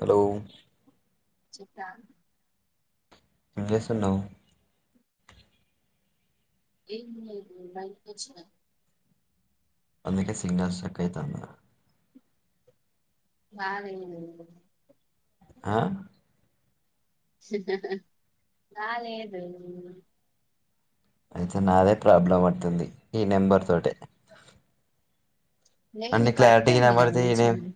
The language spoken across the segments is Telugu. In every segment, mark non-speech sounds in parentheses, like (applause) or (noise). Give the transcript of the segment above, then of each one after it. హలో చెత్తా ఏంచేస్తున్నవు ఏమ్ లేదు బయిటికొచ్చిన అందుకే సిగ్నల్ స్టక్ అయితాంద బాగాఅయింది లే ఆ దా లేదు అయితే నాదే ప్రాబ్లం అట్టుంది ఈ నెంబర్ తోటే లేదు అన్ని కరెక్టే ఉంది కదా మి సెల్లు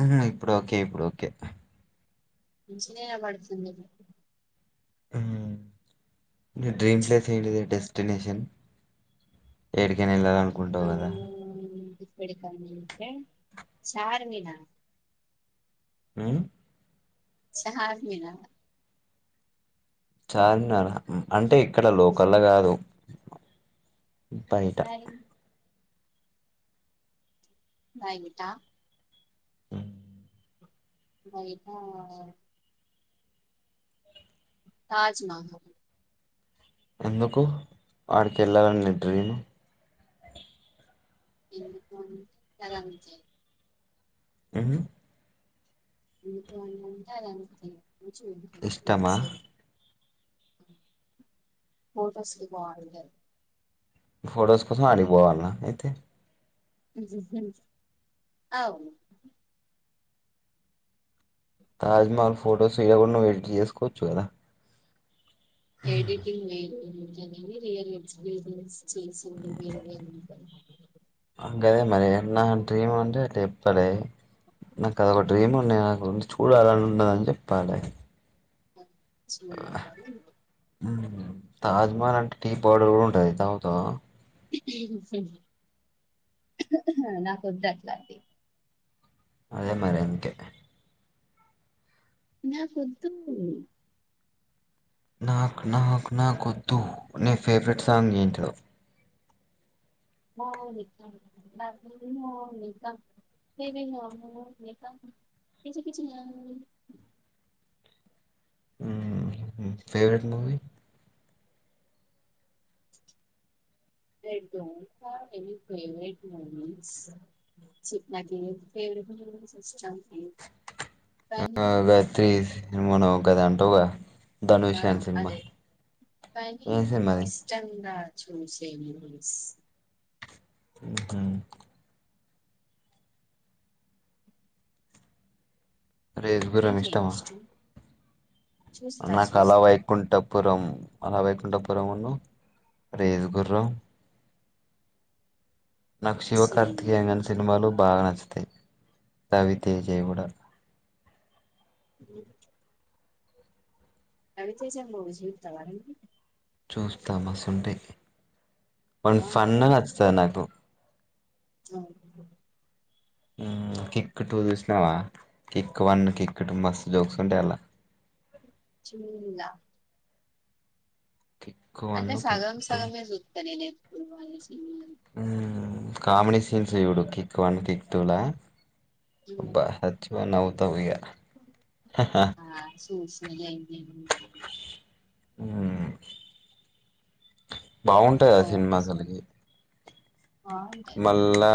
అహ ఇప్పుడు ఓకే ఇప్పుడు ఓకే మంచిగ నే ఇనబడుతుంది మ్మ్ ని డ్రీమ్ ప్లేస్ ఏంటి డెస్టినేేషన్ ఏడికయిన వెళ్లాలను ఆ కుంటావ్ కదా ఇప్పటికని అంటే చార్మినర్ ఉ చార్మినార్ చార్మినార అంటే ఇక్కడ లోకల్ల కాదు బయట మరి బైట ఉమ్. బయట తాజ్మహల్ ఎందుకు ఆడికి వెళ్ళాలని నీ డ్రీమ్ ఎందుకు అంటే గది అమ్మే చాయ్ హుహ్ ఎందో అని అంటే అది అంట నేను మంచిగాఉంటది ఇష్టమా ప్లేస్ ఫొటోస్ కి బాగుంటది ఫోటోస్ కోసం ఆడ్గిపోవాలన్నా అయితే అవును తాజ్మహల్ ఫోటో దిగకుండ నువ్ ఎడిట్ చేసుకోవచ్చు కదా ఎడిటింగ్ వేరు మేము దిగింది రిల్ ఎక్స్పీరియన్స్ చేసిండి వేరు వేరు అంట ఆ, గదే మారినా డ్రీమ్ అంటే అట్లా చేపలి నాకు అదొక డ్రీమ్ ఉంది నాకు చూడాలని ఉన్నది అని చెప్పాలి చూడాలి అని ఉంది తాజ్మహల్ అంటే టీ పౌర్డర్ కూడా ఉంటది తాగుతావా నాకొద్దు అట్లాంటివి అదే మరి అంటే నాకొద్దు నాకు నాకు నాకొద్దు నీ ఫేవరెట్ సాంగ్ ఏంటిదో మౌనిక లవ్ యు మౌనిక లేేమిమ మౌనిక పిచ్చిపిచ్చి యా ఉహ్ నీ favourite movie don't want private movie చెప్ నాకేది ఫేవ న్యూ మూవీసీష్టం ఆహ్ గాయత్రీ సిన్మళో గది అంటవ్గా ఆ అదే కాని ఏం సినిమా అది ఇష్టంగా చూసెది మూవీస్ ఉమ్మ్ రేసుగుర్రం నీకేం ఇష్టమా ఇష్టం చూస్తా నాకు అలా చూస్తా వైకుంఠపురం పురం అలావైకుంఠపురమును రేస్ గుర్రం నాకు శివ చి కార్తికేయ గాని సినిమాలు బాగా నచ్చాయి నచ్చుతాయి రవితేజ ఇ కూడా ఉ రవితేజ మూవిస్ చూతవ నువ్వు చూస్తా మస్తుంటాయి వని బాగుంటది ఫన్న్ నచ్చుతది నాకు ఆహ్ కిక్ టూ చూసినావా కిక్ వన్ కిక్ టూ మస్త్ జోక్స్ ఉంటాయి అలా చూల్ల కిక్ వన్ అంటే కిక్ సగం టూ సగమే చుత్త నేను ఎప్పుడు అని సినిమాలు కామెడి సీన్స్ చుడు కిక్ వన్ కిక్ టూ లా అబ్బా ఉమ్. సచ్చిపోయ్ నవ్వుతవ్ ఇగ ఆ చూసినలే ఇంకేముంది ఉహ్ బాగుంటాంది ఆ ఓ సినిమా అసలకి బాగుంటాయి మళ్ళా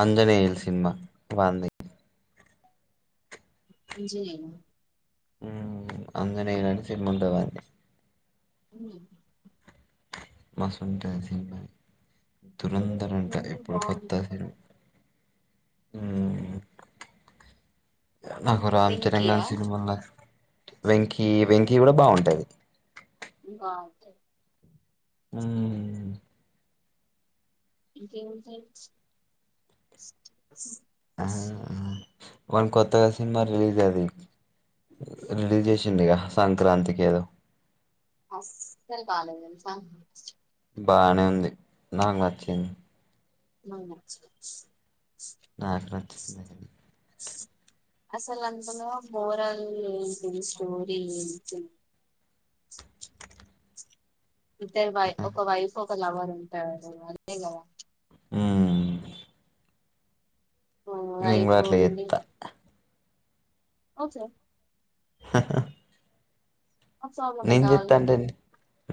అంజనేేయ్న్ సినిమా వాంది అంజనేయ అంజనేయని సినిమా ఉంటది వాంది ఆహ్ మస్తుంటది సిన్నమది దురంధర్ అంటే ఇప్పుడు బాగుంటది కోత్త కదా సినిమా ఉమ్ నాకు రామ్ చరణ్ వెంకియా సినిమాన్ వెంకీ వెంకీ కూడా బాగుంటుంది బాగుంటాయి ఉమ్ ఇంకా ఎం సెట్స్ వాన్ కొత్తగా సినిమా రిలీజ్ అయింది రిలీజ్ చేశిండుగా సంక్రాంతికి ఏదో అసల్ బాలేద్ తెల్సా బానే ఉంది నాక్ నచ్చింది నాక్ నచ్చలే నాక్ నచ్చింది అసలు అందులో బోరాల్ ఏంటిది స్టోరీ ఏంటి ఇద్దరు వై ఒక వైఫ్ ఒక లవర్ ఉంటారు అదే గదా ఉ నేన్ గూడ వైఫ్ అట్లా ఉండి చేస్తా ఓకే హ హ ఆమ్ సాల్వ్ ధ మెటల్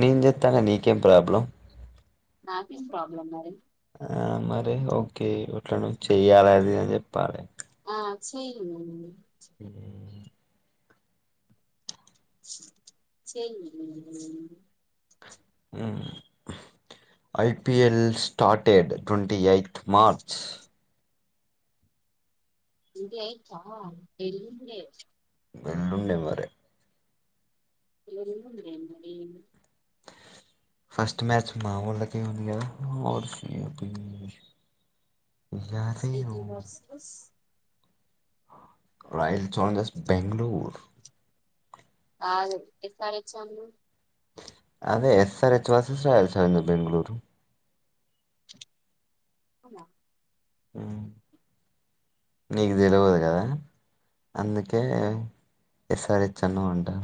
నేన్ చెత్తంటే నీకేం ప్రాబ్లం నాకేం ప్రాబ్లెమ్ మరి ఆ మరి ఓకే ఇట్లనో చెయ్యాలది అని జెప్పాలె అచ్చిమ్ మ్మ్ చెయ్యి IPL started twenty eight March twenty eight ఆ ఎల్లుండే వెెల్ళుండే మరి ఎల్లుండే మరి ఫస్ట్ మ్యాచ్ మా వొళ్ళకే ఉంది గదా verse K versus Royal Challengers Bengaluru S R స్ ర్ హె అదే SR H versus Royal challenge Bengaluru అవునా ఉమ్ నీకు తెలివదు గదా అందుకే ఎస ఆర్ ఎచ్ అన్నావంటా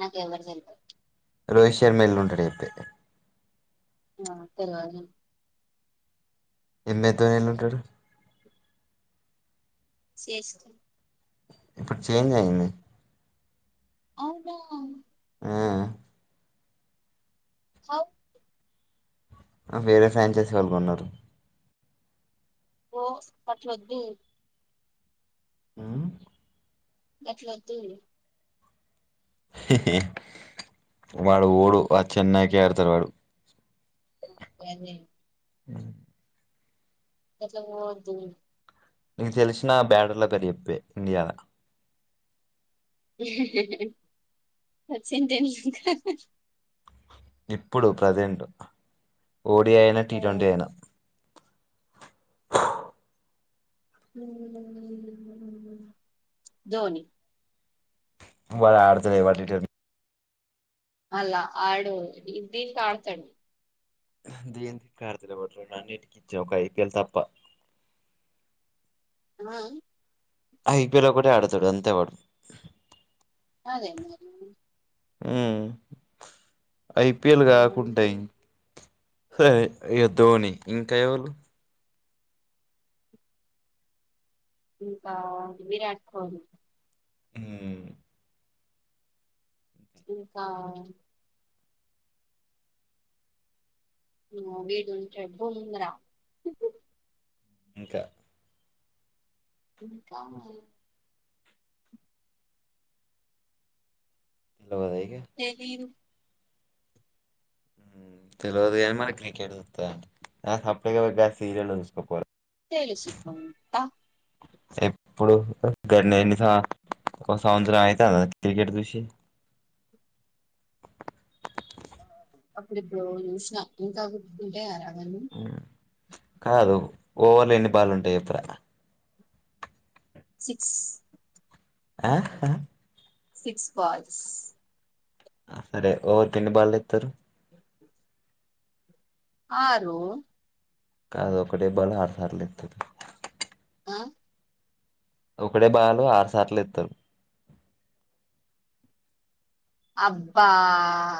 నాక్ ఎవరు తెల్వద్ రోహిత్ శర్మ ఎల్లుంటడు జెప్పే ఆ తెల్వదే ఎమ్మెతోనే ఎళ్ళు ఉంటడు శేసి ఇప్పుడు చేంజ్ అయ్యింది అవునా ఆ హ అ వేరే ఫయాన్ చేసి వాల్ గొన్నరు ఓ అట్లా వొద్దు ఉమ్ గట్లోద్దు హీ హీ వాడు ఓడు అ చెన్నయ్ కి అర్ తడు వాడు (unintelligible) ఉం గట్ల పోవద్దు నీక్ తెల్ శినా బ్యాడర్ల పెరు జేప్పే ఇండియాల హీ హు హీ సచిన్ టెండ్ ల్ హు ఇప్పుడు ప్రజడెంటు ఓడి అయిన టిటోంటి ఏనా ధోని వాడ్ అడుతలేవ్ టిటోంట్ మల్లా ఆడు ఇ దీత్ అడతడు దియంత్ కాడతాలేవాడు రొంన్ అన్నిటికి ఇచ్చే ఒక ఐపీఎల్ తప్ప వై యి ఐపీల్ ఒకటే ఆడతడు అంతే వాడు అదే మరి ఉమ్ ఐపియల్ మ్మ్, అందుకే గాకుంటాయి ఎహ్ ఏ ధోని ఇంకా ఎవళు ఇంకా విరాట్ కోలీ ఉమ్ ఇంకా మ్ వీడుంటాడు బుమ్రా ఉహ్ ఇంకా ఇంకా ఆ నీల్ వద ఇగ తెలీదు ఉమ్ తెల్ వాద్ గాని మల్ క్రికెట్ సుతాదంట ఆ సప్ డేక పయ్ గా సీరియలో సుస్ కోపో రాద్ తెలుసు కుంట ఎప్పుడు జుతవ్ గన్ని ఏన్ని సా ఒక సౌవ్ జరం అయితదాద్ కిక్ క్రికెట్ జుసి అపుడేప్పుడో జుష్ న ఇంకా గూర్ త్ తుంటే అర్ హ హ్మ్ చ్ కాదు ఓవర్ ల ఎన్ని బాలుంటాయి ఎపు రా సిక్స్ ఆ ఆహ్ సిక్స్ బాల్స్ ఆ సరే ఓవర్ కెన్ని బాల్ ఏతరు ఆ రు కాదు ఒకటే బాల్ ఆర్ సాల్ లేతరు ఆ ఒకడే బాలు ఆరు సార్ల ఏతరు అబ్బా ఆ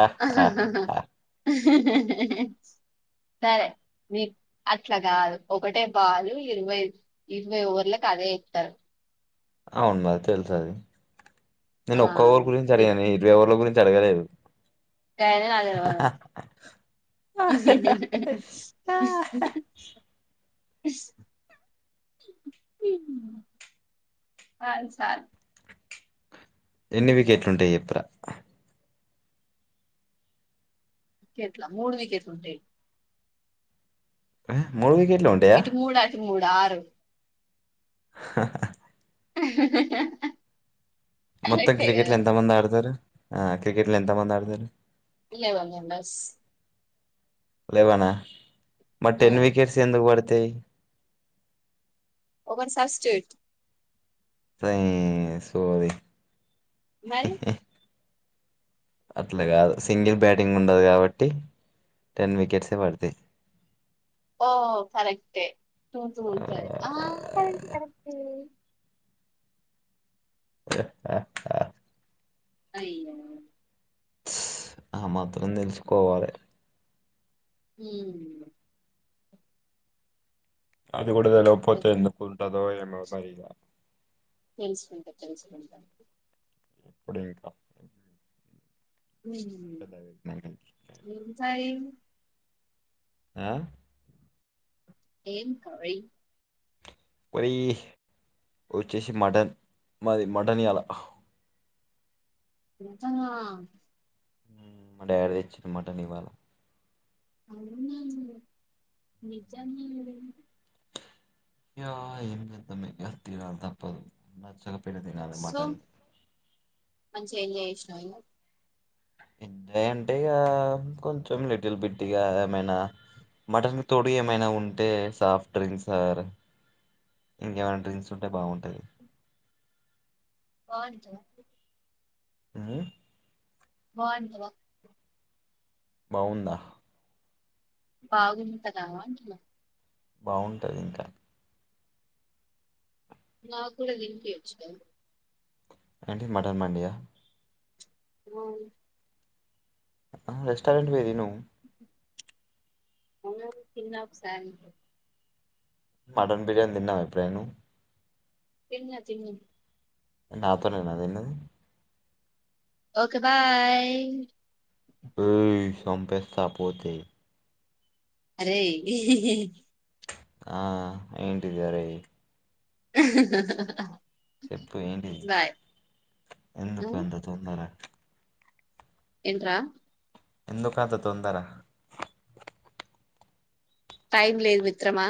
ఆ, ఆ, ఆహాహ్ హ్ ఆ. హ్హ్ హ్ హ్ సరే నీ అట్లా గాదు ఒకటే బాలు ఇర్ వై ఇర్ వై ఓవర్ లక్ కదే ఇతరు ఔన్ మరి తెల్ సది ఆ నీను ఒక్క ఓర్ గురించి పిక్ అడిగానే ఇర్ వై ఓవర్ల గురించ్ జర్ గలేదు కయిన్ నా తెల్ వాద్ ఉహ్ ఉహ్ హు హు పాన్ సార్ ఎన్ని వికెట్లుంటాయి చెప్పురా వికెట్లా మూడు వికెట్లు ఉంటాయి వ్య మూడ్ వికెట్లే ఉంటయ మూడ్ ఆర్ ఆహ్ హ్ హుహ్ హ్ హు మొత్తం క్రికెట్ లో ఎంత మంది ఆడతారు ఆ క్రికెట్ లో ఎంత మంది ఆడతారు లేవేన్ మెంబెర్స్ లేవనా మర్ టెన్ వికెట్స్ ఎందుక్ పడ్ తయ్ ఒకటి సస్టడ్ తేయ్ సోది మరి అట్లా గాదు సింగిల్ బ్యాటింగ్ ఉండద్ గబట్టి టెన్ వికెట్సే పడతాయి ఓ కరెక్టే టు టు ఆ ఉంటర్ ఆ కరెక్ట్ కరెక్టే ఆ ఆ అయ్యె సూ ఆ మాత్రం తేల్స్ కోవాలే ఉమ్ అది గూడ తేలక్పోతే ఎందుకుంటరో ఏమోరయ్య తెల్సుకుంటా తెల్సుకుంటా ఎప్పుడింకా ఉమ్ ఇంకా ఎంది ఆ ఏం కర్రీ మది వచ్చేసి మటన్ మాది మటన్ ఇయాలా మటనా మా డాడీ దెచ్చిన్ మాటన్ ఇవాళ అవునా నిజంగాదేనా యా ఏమ్ పెద్ద మటన్ తినడం తప్ప మంచిగ సో మంచిగా ఎంజాయ్ జేస్నావిగా ఎంజాయ్ అంటే ఇగ కొంచం లిటిల్ బిట్టిగా ఏమైనా మటన్ కి తోడు ఏమైనా ఉంటే సాఫ్ట్ డ్రింక్స్ అర్ ఇంకేమైనా డ్రింక్స్ ఉంటే బాగుంటది బావుంటాదా ఉమ్ బావుంటదా బావుందా బాగుంటదా అంటున్న బాగుంటది ఇంకా నాకూ కూడా తినిపియచ్చు కదా ఏంటి మటన్ మండియా ఆవును అ రెస్టారెంట్ పో తిను అవునావున్ తిన్నా ఒక్ సారి మటన్ బిర్యానీ తిన్నావా ఎపుడైనా నువ్ తిన్న తిన్న నాతోనేనా తిన్నది ఓకే బాయ్ ఓయ్ సంపెస్తా పోతే అరే హిహిహి ఆ ఏంటిదరేయ్ చెప్పు ఏంటిది బాయ్ ఎందుకు అంత తొందర ఏంట్రా ఎందుకంత తొందరా టైం లేదు మిత్రమా